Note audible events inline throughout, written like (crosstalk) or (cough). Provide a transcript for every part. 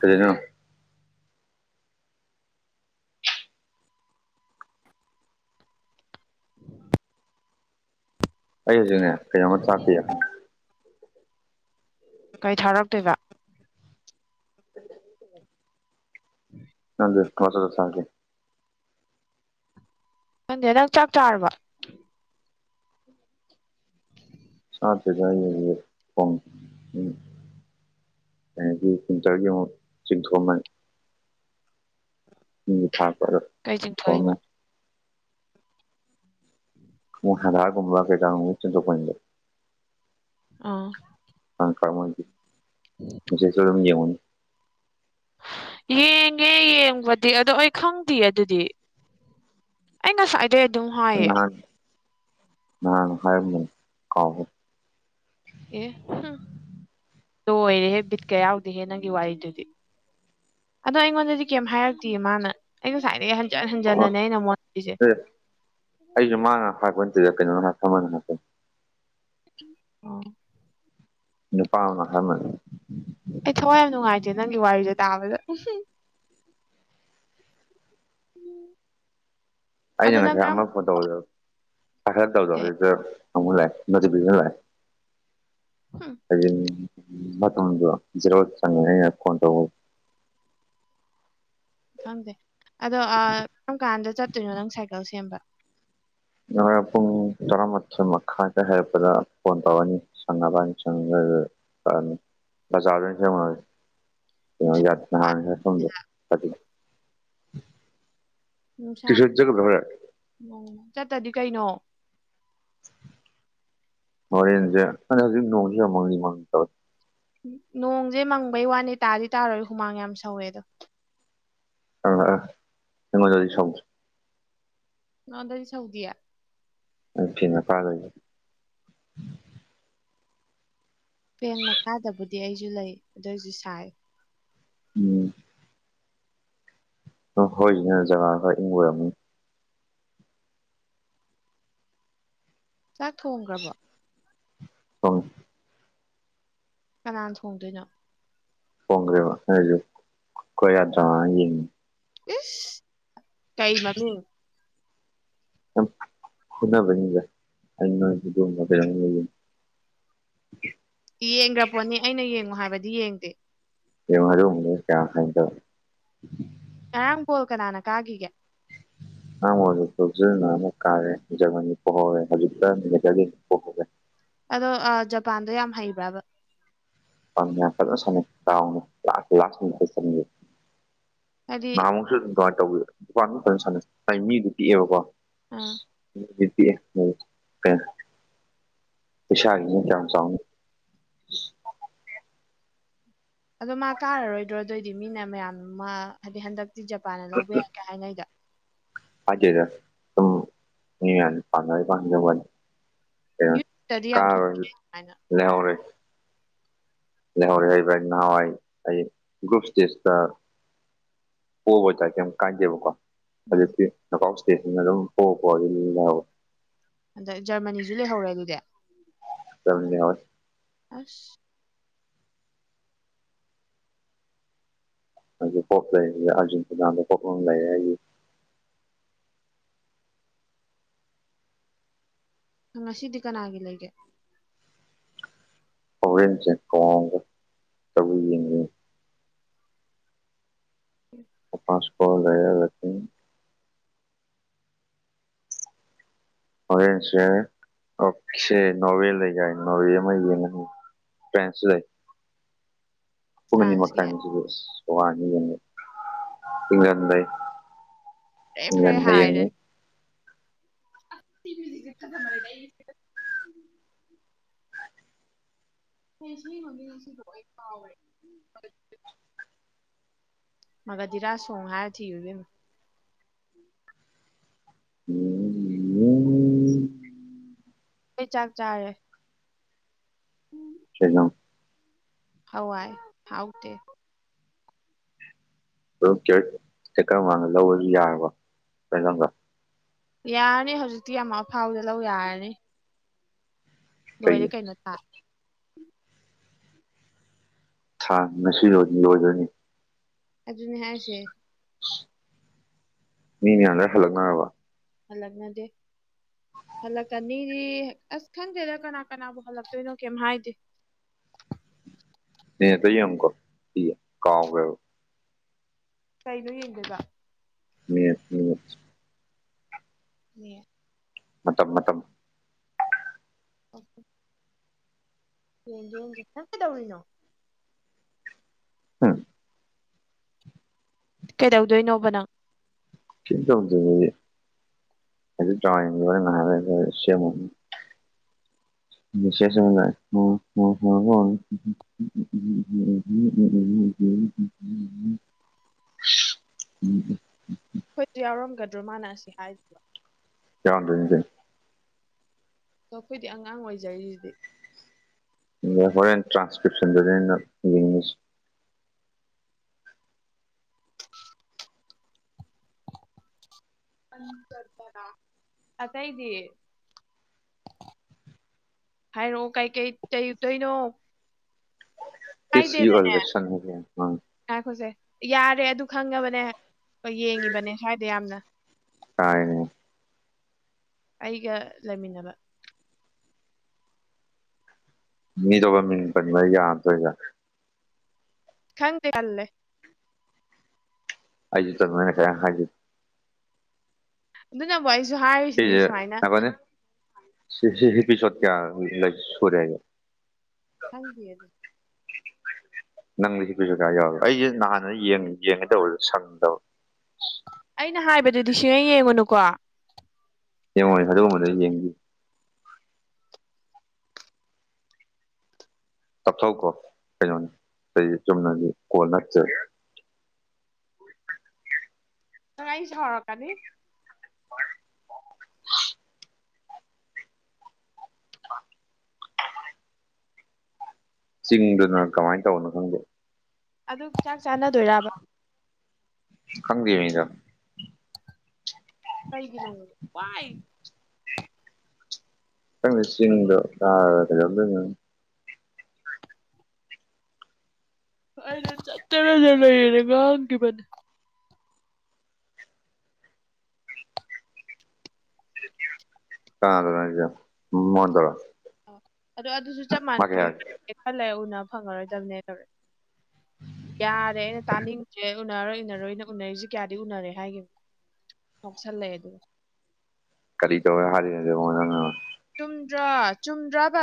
ꯀꯩꯗꯩꯅꯣ ꯑꯩ ꯍꯧꯖꯤꯛꯅꯦ ꯀꯩꯅꯣꯃ ꯆꯥꯛꯄꯤ ꯀꯩ ꯊꯥꯔꯛꯇꯣꯏꯕ (inaudible) (inaudible) ꯅꯪꯒꯤ ꯄꯥꯆꯞꯇꯥ ꯊꯥꫪꯛꯀ‌ꯦ ꯈꯪꯗꯦ ꯅꯪ ꯆꯥꯛ ꯆꯥꯔꯕꯣ ꯆꯥꯗꫪꯤꯗ ꯑꯩ ꯍꯧꯖꯤꯛ ꯊꯣꯡꯉꯤ (unintelligible) (unintelligible) ꯄꯤꯟꯇꫪꯒꯤ ꯑꯃꯨꯛ ꯆꯤꯡꯊꯣꯛꯑꯝꯕꯅꯤ ꯃꯤꯡ ꯊꯥꫪꯛꯄꯗꯣ ꯀꯩ ꯆꯤꯡꯊꯣꯛꯏꯕ (inaudible) ꯍꯗꯥꯔꯒꯨꯝꯕ ꯀꯩ ꯀꯥ ꯒꯨꯝꯕ ꯆꯤꯡꯊꯣꯛꯄꯅꯤꯗ ꯑꯣ (unintelligible) (inaudible) (unintelligible) ꯌꯦꯡꯉꯦ ꯌꯦꯡꯕꯗꯤ ꯑꯗꯣ ꯑꯩ ꯈꯪꯗꯦ ꯑꯗꯨꯗꯤ ꯑꯩ ꯉꯁꯥꯏ ꯑꯩ ꯑꯗꯨꯝ ꯍꯥꯏ ꯅꯪ ꯅꯍꯥꯟ ꯅꯍꯥꯟ ꯍꯥꯏꯔꯝꯕꯅꯦ ꯀꯥꯎ ꯑꯦ ꯍꯝ ꯂꯣꯏꯔꯦꯍꯦ ꯕꯤꯠꯀꯥ ꯌꯥꯎꯗꯦꯍꯦ ꯅꯪꯒꯤ ꯋꯥꯔꯤꯗꯨꯗꯤ ꯑꯗꯣ ꯑꯩꯉꯣꯟꯗꯗꯤ ꯀꯩꯝ ꯍꯥꯏꯔꯛꯇꯤꯌꯦ ꯃꯥꯅ ꯑꯩ ꯉꯁꯥꯏꯗꯒꯤ ꯍꯟꯖꯟ ꯑꯣ ꯍꯟꯖꯟꯅꯅꯦ ꯑꯩꯅ ꯃꯣꯠꯂꯤꯁꯦ ꯑꯦ ꯑꯩꯖꯨ ꯃꯥꯥꯅ ꯍꯥꯏꯔꯛꯄ ꯅꯠꯇ‌ꯦꯗ ꯀꯩꯅꯣꯅ (unintelligible) ꯑꫭ ꯅꯨꯄꯥꯥꯃꯥ ꯍꯥꯏꯔꯝꯕꯅꯤ ꯑꯩ ꯊꯋꯥꯏ ꯌꯥꯝ ꯅꯨꯡꯉꯥꯏꯇꯦ ꯅꯪꯒꯤ ꯋꯥꯔꯤꯖꯦ ꯇꯥꯕꯗ ꯑꯩꯅ ꯑꯗꯣ ꯅꯪ ꯉꯁꯥꯏ ꯀꯔꯝ ꯑꯃ ꯐꯣꯟ ꯇꯧꯕꯗꫭ ꯄꯥꯏꯈꯠ ꯇꯕꯗꯣ ꯀꯩ ꯍꯧꯖꯤꯛꯇ ꯑꯃꯨꯛꯀ ꯂꯥꯛꯑ‌ꯦ ꯅꫭꯇꯤꯐꯤꯁꯟ ꯂꯥꯛꯑ‌ꯦ ꯍꯨꯝ ꯃꯇꯝꯗꯣ ꯖꯦꯔꯣꯜ ꯆꯪꯉꯦ ꯑꯩꯅ ꯐꯣꯟ ꯇꯧꯕ ꯈꯪꯗꯦ ꯑꯗꯣ ꯑꯥ ꯀꯔꯝ ꯀꯥꯟꯗ ꯆꯠꯇꯣꯏꯅꯣ ꯅꯪ ꯁꯥꯏꯀꯜ ꯁꯦꯝꯕ ꯅꯪ ꯍꫭꫪ‌ꯦꯟ ꯄꯨꯡ ꯇꯔꯥꯃꯥꯊꯣꯏ ꯃꯈꯥꯏꯗ ꯍꯥꯏꯔꯛꯄꯗ ꯐꯣꯟ ꯇꯧꯔꯅꯤ ꯁꯪꯅꯕꯅꯤ ꯆꯪꯉꯒꯒ ꯑꯅꯤ ꯕꯖ꯭ꯔꯗ ꯑꫭꯅ ꯅꯨꯡꯁꯥ ꯁ‌ꯦꯝꯃꯨꫪꯖꯤ ꯅꯍꯥꯟ ꯂ‌ꯦꯛꯐꯝꯗꯤ ꯎꯝ ꯁꯥꯕ ꯎꯝ ꯆꯠꯇꯗꯤ ꯀꯩꯅꯣ ꯍ‌ꯣꯔ‌ꯦꯟꯁ‌ꯦ ꯈꯪꯗ‌ꯦ ꯍꯧꯖꯤꯛꯁ‌ꯦ ꯅꯣꯡꯁꯤ ꯃꯪꯂꯤ ꯃꯪꯂꯤ ꯇꯩꯋ‌ꯦ ꯅꯣꯡꯁꯦ ꯃꯪꯕꯩ ꯋꯥꯅꯤ ꯇꯥꯗꯤ ꯇꯥꯔꯣꯏ ꯍꯨꯃꯥꯡ ꯌꯥꯝ ꯁꯧꯋꯦ ꯑꯗꯣ ꯑ ꯑ ꯑꯩꯉ‌ꯣꯟꯗꯗꯤ ꯁꯧꯗ‌ꯦ ꯅꯉ‌ꯣꯟꯗꯗꯤ ꯁꯧꯗꯤꯌꯥ ꯑꯥ ꯐ‌ꯦꯟ ꯃꯈꯥ ꯂꯩꯕꯩ ꯐꯦꯟ ꯃꯈꯥꯗꯕꯨꯗꯤ ꯑꯩꯁꯨ ꯂꯩ ꯑꯗꯨ ꯑꯣꯏꯁꯨ ꯁꯥꯏ ꯎꯝ ꯑꯣ ꯈ‌ꯣꯏꯒꯤꯅ ꯖꯒꯥ ꯈꯔ ꯏꯪꯕ ꯑꯣꯏꯔꯝꯅꯤ ꯆꯥꯛ ꯊꯣꯡꯈ꯭ꯔꯕꯣ ꯊ‌ꯣꯡꯉ‌‌ꯦ ꯀꯅꯥꯅ ꯊꯣꯡꯗꯣꯏꯅꯣ ꯊ‌ꯣꯡꯒ꯭ꯔ‌ꯦꯕ ꯑꯦꯁ ꯀꯩ ꯃꯃꯤꯡ ꯁꯨꯝ ꯐꯨꯅꯕꯩꯅꯤꯗ ꯑꯩ ꯅ‌ꯣꯏ ꯑꯗꯨꯝꯕ ꯀꯩꯅ‌ꯣ ꯌ‌ꯦꯡꯗ‌ꯦ ꯌꯦꯡꯈ꯭ꯔꯥ ꯄꯣꯠꯅꯤ ꯑꯩꯅ ꯌꯦꯡꯉꯨ ꯍꯥꯏꯕꯗꯤ ꯌꯦꯡꯗꯦ (unintelligible) ꯉꯔꯥꯡ ꯕ‌ꯣꯜ ꯀꯅꯥꯅ ꯀꯥꯒꯤꯒ‌ꯦ (unintelligible) ꯑꯗꯣ ꯑꯥ ꯖꯄꯥꯟꯗꯣ ꯌꯥꯝ ꯍꯩꯕ꯭ꯔꯥꯕ (unintelligible) ꯍꯥꯏꯗꯤ ꯅꯍꯥꯃꯨꯛꯁꯨ ꯑꯗꯨꯝ ꯀꯃꯥꯏꯅ ꯇꯧꯕꯤꯔ ꯗꯨꯄꯥꯥꯟ ꯐ ꯁꯥꯟꯅꯩ ꯍꯥꯏ ꯃꯤꯗꯨ ꯄꯤꯛꯦꯕꯀꯣ ꯑꯥ (unintelligible) ꯀꯌꯥꯝ ꯆꯥꯎꯅꯤ ꯑꯗꯣ ꯃꯥ ꯀꯥꯔꯔꯣꯏꯗ꯭ꯔꯣ ꯑꯗꯨ ꯑꯣꯏꯗꯤ ꯃꯤꯅ ꯃꯌꯥꯝ ꯃꯥ ꯍꯥꯏꯗꯤ ꯍꯟꯗꯛꯇꯤ ꯖꯄꯥꯟꯅ ꯂꯧꯕ ꯌꯥꯏ ꯀꯦ ꯍꯥꯏꯅꯩꯗ ꯍꯥꯏꯖꯦꯗ ꯁꯨꯝ ꯃꯤ ꯃꯌꯥꯝꯅ ꯄꯥꯝꯅꯕꯩ ꯍꯥꯏꯖ ꯋꯥꯅꯤ ꯀꯩꯅ‌ꯣ ꯌꯨꯇꯗꯤ ꯌꯥꯝ ꯊꯣꯛ ꯀꯔꯔ‌ꯣꯏ ꯑꯗꯨꯃꯥꯏꯅ ꯂꯩꯍꯧꯔ‌ꯦ ꯂꯩꯍꯧꯔꯦ ꯍꯩ ꯚ ꯅꯍꯥꯟꯋꯥꯏ ꯑꯩ ꯒ꯭ꯔꯨꯞ ꯏꯁꯇꯦꯖꯇ ꯄꯕ ꯆ ꯀꯦ ꯌꯥꯝ ꯀꯥꯟꯗꯦꯕꯀꯣ ꯎꯝ ꯑꯗꯨꯀꯥꯎ ꯏꯁꯇꯦꯁꯤꯅ ꯑꯗꯨꯝ ꯄꯣ ꯑꯗꯨ ꯑꯟꯗ ꯖꯔꯃꯅꯤꯁꯨ ꯂꯩꯍꯧꯔꯦ ꯑꯗꯨꯗꯤ ꯂꯩꯍꯧꯔ‌ꯦ ꯑꯁ (unintelligible) ꯉꯁꯤꯗꯤ ꯀꯅꯥꯒꯤ ꯑꯩꯒ‌ꯦ (unintelligible) (unintelligible) (unintelligible) ꯍꯣꯔꯦꯟꯁꯦ ꯑꯣꯀꯦ ꯅꯣꯔꯋꯦ ꯑꯃ ꯂꯩꯗꯥꯢꯅꯦ ꯅꯣꯔꯋꯦ ꯌꯦꯡꯉꯅꯤ (unintelligible) (unintelligible) (unintelligible) (unintelligible) ꯊ ꯂꯩꯏ (unintelligible) (unintelligible) (unintelligible) ꯁꯥꯏꯟꯁꯀꯤ (unintelligible) ꯐ꯭ꯔꯦ ꯐ꯭ꯔꯦ ꯍꯥꯏꯔꯅꯤ ꯑ ꯃꯖꯤꯁꯦ ꯈꯠꯃ ꯑꯣꯏꯔꯦꯅꯦ (unintelligible) (unintelligible) (unintelligible) ꯀꯩꯅꯣ ꯁꯤꯒꯤ ꯃꯃꯤꯡꯁꯤꯡꯕꯨ ꯑꯩ ꯀꯥꯎꯔꯦ ꯃꯥꯒ ꯗꯤꯔꯥ ꯁꯣꯡ ꯍꯥꯏꯔ ꯊꯤꯌꯨꯅꯦ ꯎꯝ ꯑꯩꯩ ꯆꯥꯛ ꯆꯥꯔꯦ ꯀꯩꯅꯣ ꯍꯋꯥꯏ ꯍꯥꯎꯇꯦ ꯑꯗꯨꯝ (unintelligible) (unintelligible) (unintelligible) ꯂꯧꯔꯁꯨ ꯌꯥꯔꯕꯣ ꯌꯥꯔꯅꯤ ꯍꯧꯖꯤꯛꯇꯤ ꯌꯥꯝ ꯑꯐꯥꯎꯗ ꯂꯧ ꯌꯥꯔꯅꯤ ꯂꯣꯏꯔꯦ ꯀꯩꯒꯤ ꯀꯩꯅꯣ ꯊꯥ ꯊꯥ ꯉꯁꯤ ꯂꯣꯏ ꯂꯣꯢꯒ꯭ꯔꯥꯅꯤ ꯑꯗꯨꯅꯦ ꯍꯥꯏꯁꯦ ꯃꯤ ꯃꯌꯥꯝ ꯂꯣꯢ ꯍꯜꯂꯛꯅꯔꯕꯣ ꯍꯥꯜꯂꯛꯅꯗꯦ ꯍꯜꯂꯛꯀꯅꯤꯗꯤ ꯑꯁ ꯈꯪꯗꯦꯗ ꯀꯅꯥ ꯀꯅꯥꯕꯨ ꯍꯜꯂꯛꯇꯣꯏꯅꯣ ꯀꯩꯝ ꯍꯥꯏꯗꯦ (unintelligible) (unintelligible) ꯀꯥꯎꯒ꯭ꯔꯦꯕ ꯀꯩꯗ ꯌꯦꯡꯗꯨꯢꯕ ꯃꯤꯠ (unintelligible) (unintelligible) ꯅꯦꯠ ꯃꯇꯝ ꯃꯇꯝ ꯑꯣꯀꯦ ꯌꯦꯡꯒꯦ ꯌꯦꯡꯒꯦ ꯅꯪ ꯀꯩꯗꯧꯔꯤꯅꯣ ꯑꯝ ꯀꯩꯗꯧꯗꯣꯏꯅꯣꯕ ꯅꯪ (unintelligible) (unintelligible) (unintelligible) (unintelligible) ꯁꯦꯁꯦꯁ ꯑꯃ ꯂꯥꯛꯑꯦ (unintelligible) (unintelligible) (unintelligible) ꯎ (unintelligible) (unintelligible) (unintelligible) (inaudible) (inaudible) ꯎꯝ (inaudible) ꯑꯩꯈꯣꯏꯁꯨ ꯌꯥꯎꯔꯝꯒꯗ꯭ꯔꯣ ꯃꯥꯅ ꯑꯁꯤ ꯍꯥꯏꯔꯤꯕ ꯌꯥꯎꯔꯝꯗꯨꯢꯅꯤ ꯀꯩꯅꯣ ꯑꯣ ꯑꯩꯈꯣꯏꯗꯤ ꯑꯉꯥꯡ ꯑꯣꯏꯖꯔꯤꯁꯤꯗꯤ ꯍꯣꯔꯦꯟ ꯇ꯭ꯔꯥꯟꯁꯀ꯭ꯔꯤꯞꯁꯟꯗꯅꯦ (unintelligible) ꯑꯇꯩꯗꯤ ꯍꯥꯏꯔꯛꯑꯣ ꯀꯩ ꯀꯩ ꯆꯩꯩꯇꯣꯏꯅꯣ ꯇꯁ ꯌꯨꯒꯜꯗꯁ (unintelligible) (unintelligible) (unintelligible) (unintelligible) ꯌꯥꯔꯦ ꯑꯗꯨ ꯈꯪꯉꯕꯅꯦ ꯑꯩ ꯍꯣꯢ ꯌꯦꯡꯢꯕꯅꯦ ꯁꯨꯋꯥꯢꯗ ꯌꯥꯝ ꯇꯥꯢꯌꯦꯅꯦ ꯑꯩꯒ ꯂꯩꯃꯤꯟꯅꯕ ꯃꯤꯗꯣ ꯃꯤꯡ ꯄꯟꯕ ꯌꯥꯗꯣꯏꯔ ꯈꯪꯗꯦ ꯄꯥꯜꯂꯦ ꯑꯥꯏꯖꯤꯠꯇ ꯃꯣꯏꯅꯦ ꯀꯌꯥꯝ ꯍꯥꯏꯗ꯭ꯔꯤ ꯑꯗꯨꯅꯕꯨ ꯑꯩꯁꯨ ꯍꯥꯏꯔꯤꯁꯤꯅꯤ ꯁꯤꯁꯦ ꯁꯨꯃꯥꯏꯅ ꯉꯥꯏꯈꯣꯅꯦ ꯁꯤ ꯁꯤ ꯏꯄꯤꯁꯣꯠ ꯀꯌꯥ ꯂ ꯁꯨꯔꯦꯒꯦ ꯈꯪꯗꯤꯌꯦ ꯑꯗꯨ ꯅꯪꯂꯤ ꯁꯤ ꯀꯩꯁꯨ ꯀꯥꯌꯥ ꯌꯥꯎꯔ ꯑꯩꯁꯦ ꯅꯍꯥꯟꯅ ꯌꯦꯡ ꯌꯦꯡꯉꯦꯗꯧꯔꯁꯨ ꯁꯪꯗꯕ ꯑꯩꯅ ꯍꯥꯏꯕꯗꯨꯗꯤ ꯁꯤꯌꯦꯡ ꯌꯦꯡꯉꯨꯅꯨꯀꯣ ꯌꯦꯡꯉꯣꯏ ꯑꯗꯨꯒꯨꯝꯕꯗꯨ ꯌꯦꯡꯕꯤꯌꯨ ꯇꯞꯊꯧꯀꯣ ꯀꯩꯅꯣꯅꯤ ꯑꯩ ꯆꯨꯝꯅꯒꯤ ꯀꯣꯜ ꯅꯠꯇꯦ ꯅꯪ ꯑꯩ ꯁꯥꯎꯔꯛꯀꯥꯅꯤ ꯆꯤꯡꯗꯨꯅ ꯀꯃꯥꯏꯟ ꯇꯧꯕꯅꯣ ꯈꯪꯗꯦ ꯑꯗꯨ ꯆꯥꯛ ꯆꯥꯟꯅꯗꯣꯏꯔꯥꯕ ꯈꯪꯗꯦ ꯃꯤꯗ ꯀꯩ ꯀꯤꯂꯣꯅꯣ ꯄꯥꯏ ꯈꯪꯗꯦ ꯆꯪꯡꯗꯣ ꯀꯥꯔꯒ ꯀꯩꯗꯧꯗꯨꯏꯅꯣ ꯑꯩꯅ ꯆꯠꯇꯔꯗꯤ ꯂꯩꯔꯅꯦ ꯉꯥꯡꯈꯤꯕꯅꯦ ꯀꯅꯥꯗꯅꯣ ꯍꯥꯏꯖꯦ ꯑ ꯑꯗꯨꯗꯣ ꯑꯗꯨꯁꯨ ꯆꯞ ꯃꯥ ꯃꯥꯟꯅꯩ ꯀꯩ ꯑꯗꯨꯝ ꯍꯥꯏꯔꯛꯀꯦ ꯈꯔ ꯂꯩ ꯎꯅꯕ ꯐꯪꯉꯔꯣꯏꯗꯕꯅꯦ ꯇꯧꯔꯦ ꯌꯥꯔꯦ ꯑꯩꯅ ꯇꯥꯅꯤꯡ ꯗ꯭ꯔꯦ ꯎꯅꯔꯔꯣꯏ ꯎꯅꯔꯣꯏꯅ ꯎꯅꯔꯤꯁꯦ ꯀꯌꯥꯗꯤ ꯎꯅꯔꯦ ꯍꯥꯏꯒꯤꯕꯅꯦ ꯉꯥꯎꯁꯜꯂꯛꯑꯦ ꯑꯗꯨꯒ ꯀꯔꯤ ꯇꯧꯕꯩ ꯍꯥꯏꯔꯤꯅꯣ (unintelligible) ꯃꯥꯉꯣꯟ ꯅꯪꯅ ꯆꯨꯝꯗ꯭ꯔꯥ ꯆꯨꯝꯗ꯭ꯔꯕ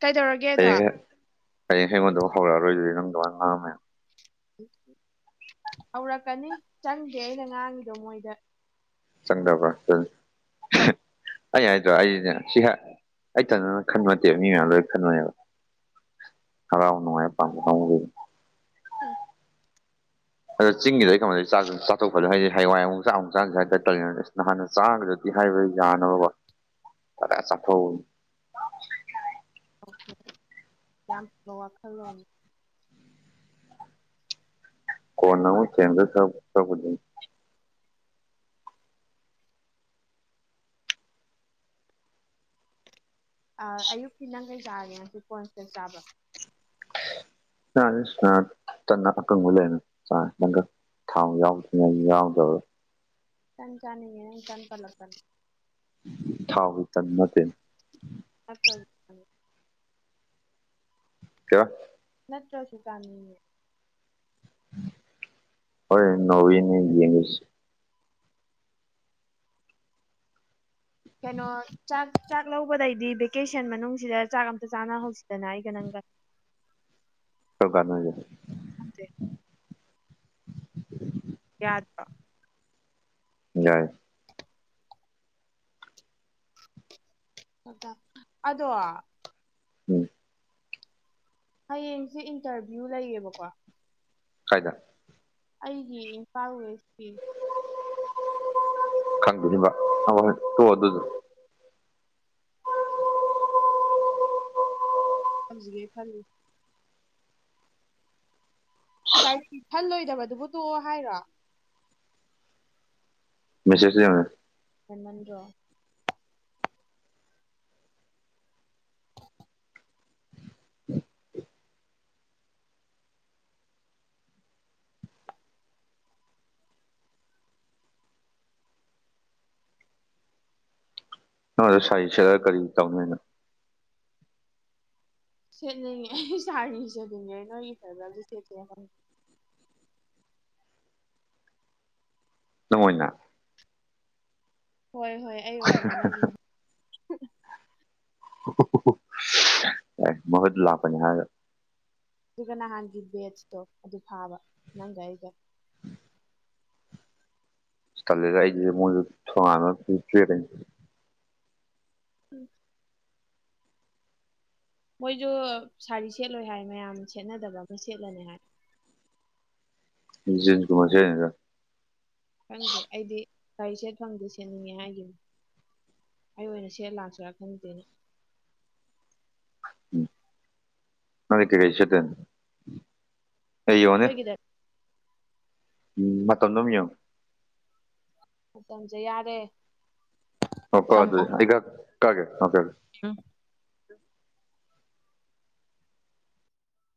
ꯀꯩꯗꯧꯔ ꯍꯌꯦꯡꯍꯦ ꯍꯌꯦꯡꯍꯦ ꯑꯩꯉꯣꯟꯗ ꯑꯃꯨꯛ ꯍꯧꯔꯛ ꯑꯔꯣꯏꯗꯣꯏꯗꯤ ꯅꯪ ꯗꯨꯃꯥꯏ ꯉꯥꯡꯕ ꯃꯌꯥꯝ ꯍꯧꯔꯛꯀꯅꯤ ꯆꯪꯗꯦ ꯑꯩꯅ ꯉꯥꯡꯉꯤꯗꯣ ꯃꯣꯏꯗ ꯆꯪꯗꯕ꯭ꯔꯥ (unintelligible) ꯑꯩ ꯍꯥꯏꯗꯔ ꯑꯩꯅꯦ ꯁꯤꯍꯦꯛ ꯑꯩꯊꯟꯅ ꯈꯟꯕ ꯅꯠꯇꯦꯕ ꯃꯤ ꯃꯌꯥꯝ ꯂꯣꯏ ꯈꯟꯕꯅꯦꯕ ꯍꯔꯥꯎ ꯅꯨꯡꯉꯥꯏꯕ ꯄꯥꯝꯕ (unintelligible) ꯎꯝ ꯑꯗ ꯆꯤꯡꯒꯤꯗꯩ ꯑꯩꯅ ꯈꯟꯕꯗ ꯆꯥꯛꯇꯣ ꯆꯥꯊꯣꯛꯄ ꯍꯥꯏꯗꯤ ꯍꯦꯡꯋꯥꯏ ꯆꯥꯛ ꯑꯃꯨꯛ ꯆꯥꯛ ꯑꯃꯨꯛ ꯆꯥꯅꯁꯦ ꯍꯥꯏꯇ ꯇꯜꯂꯤꯅ ꯑꯁ ꯅꯍꯥꯟꯅ ꯆꯥꯈ꯭ꯔꯗꯤ ꯍꯥꯏꯕ ꯌꯥꯅꯕꯀꯣ (unintelligible) (inaudible) ꯌꯥꯝ ꯐꯕ ꯋꯥꯈꯜꯂꯣꯟꯅꯤ ꯀꯣꯟꯅ ꯑꯃꯨꯛ ꯊꯦꯝꯗꯧ ꯁꯔꯨꯛ ꯁꯔꯨꯛꯄꯨꯗꯤ ꯑ ꯑꯌꯨꯛꯀꯤ ꯅꯪ ꯀꯩꯥ ꯆꯥꯔꯒꯦ ꯉꯁꯤ ꯀꯣꯟ (unintelligible) ꯆꯥꯕ꯭ꯔ (unintelligible) ꯇꯟ ꯑꯀꯪꯕ ꯂꯩꯅ ꯆꯥꯔꯦ ꯇꯟꯒꯪ ꯊꯥꯎ ꯌꯥꯎ (unintelligible) ꯌꯥꯎꯗꯕ ꯇꯟ ꯆꯥꯅꯤꯡꯉꯦ ꯅꯪ ꯇꯟ ꯄꯜꯂꯛꯇꯅ ꯊꯥꯎꯒꯤ ꯇꯟ ꯅꯠꯇꯦꯟ ꯅꯠꯇ꯭ꯔꯁꯨ (unintelligible) ꯀꯩꯋ ꯅꯠꯇ꯭ꯔꯁꯨ ꯆꯥꯅꯤꯡꯉꯦ ꯍꯣꯔꯦꯟ ꯅꯣꯔꯋꯦꯅꯦ ꯌꯦꯡꯗꯣꯏꯁꯦ ꯀꯩꯅꯣ ꯆꯥꯛ ꯆꯥꯛ ꯂꯧꯕꯗꯩꯗꯤ ꯚꯦꯀꯦꯁꯟ ꯃꯅꯨꯡꯁꯤꯗ ꯆꯥꯛ ꯑꯝꯇ ꯆꯥꯅꯍꯧꯁꯤꯗꯅ ꯑꯩꯒ ꯅꯪꯒ ꯀꯝ ꯀꯥꯟꯗꯅꯣ ꯍꯥꯏꯁꯦ (unintelligible) ꯌꯥꯗ꯭ꯔꯣ ꯌꯥꯏ ꯑꯗꯣ ꯎꯝ ꯍꯌꯦꯡꯁꯦ ꯏꯟꯇꯔꯚꯤꯌꯨ ꯂꯩꯌꯦꯕꯀꯣ ꯀꯥꯏꯗ ꯑꯩꯒꯤ ꯏꯝꯐꯥꯜ ꯋꯦꯁꯀꯤ ꯈꯟꯗꯒꯨꯝꯕ ꯑꯍꯣꯏ ꯍꯣꯏ ꯇꯣꯛꯑꯣ ꯑꯗꯨꯖꯨ ꯍꯧꯖꯤꯒꯦ ꯈꯜꯂꯤ ꯀꯥꯏ ꯈꯜꯂꯣꯏꯗꯕꯗꯨꯕꯨ ꯇꯣꯛꯑꯣ ꯍꯥꯏꯔꯣ ꯃꯦꯁꯦꯁꯇ ꯌꯦꯡꯉ ꯍꯦꯟꯃꯟꯗ꯭ꯔꯣ ꯅꯪ ꯑꯗꯣ ꯁꯥꯔꯤ ꯁꯦꯠꯂ ꯀꯔꯤ ꯇꯧꯅꯤ ꯍꯥꯢꯅꯣ ꯁꯦꯠꯅꯤꯡꯉꯦ ꯑꯩ ꯁꯥꯔꯤ ꯁꯦꯠꯅꯤꯉꯦ ꯅꯣꯏꯒꯤ ꯐꯦꯔꯋꯦꯜꯗ ꯁꯦꯠꯁꯤꯔ ꯈꯪꯗꯦ ꯅꯪ ꯑꯣꯏꯅ ꯍꯣꯏ ꯍꯣꯏ ꯑꯩ ꯑꯣꯏꯅ ꯅꯪꯒꯤ ꯍꯨꯍꯨꯍꯨꯍꯨ ꯌꯥꯏ ꯃꯍꯨꯠ ꯂꯥꯛꯄꯅꯤ ꯍꯥꯏꯔꯒ ꯑꯗꯨꯒ ꯅꯍꯥꯟꯒꯤ ꯕꯦꯖꯇꯣ ꯑꯗꯨ ꯐꯥꯕ ꯅꯪꯒ ꯑꯩꯒ ꯑꯁ ꯇꯜꯂꯤꯗ ꯑꯩꯗꯤ ꯃꯣꯏꯖꯨ ꯊꯣꯡꯍꯥꯡꯉꯒ ꯂꯦꯞ ꯂꯩ ꯎꯝ ꯃꯣꯏꯖꯨ ꯁꯥꯔꯤ ꯁꯦꯠꯂꯣꯏ ꯍꯥꯏ ꯃꯌꯥꯝ ꯁꯦꯠꯅꯗꯕ꯭ꯔ ꯈꯣꯢ ꯁꯦꯠꯂꯅꯤ ꯍꯥꯏ ꯖꯤꯟ ꯒꯨꯝꯕ ꯁꯦꯠꯅꯤꯗ ꯈꯪꯗꯦ ꯑꯩꯗꯤ ꯒꯥꯔꯤ ꯁꯦꯠ ꯐꯪꯗꯦ ꯁꯦꯠꯅꯤꯡꯉꯦ ꯍꯥꯏꯒꯤꯅꯤ ꯑꯩ ꯑꯣꯏꯅ ꯁꯦꯠ ꯂꯥꯛꯁꯤꯔꯥ ꯈꯪꯗꯦꯅꯦ ꯎꯝ ꯅꯣꯢ ꯀꯩ ꯀꯩ ꯁꯦꯠꯇꯨꯢꯅꯣ ꯑꯩꯋꯣꯅꯦ ꯑꯩꯈꯣꯏꯒꯤꯗ ꯎꯝ ꯃꯇꯝꯗꯨꯝ ꯌꯦꯡꯉꯨ ꯃꯇꯝꯖꯦ ꯌꯥꯔꯦ ꯃꯄꯥꯖꯦ ꯑꯩꯒ ꯀꯥꯒꯦ ꯑꯗ꯭ꯔ ꯏ ꯎꯝ